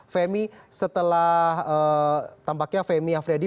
femi setelah tampaknya femi afriyadi